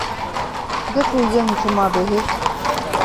ގެ ކުއްޔަށް ހިފުމާބެހޭ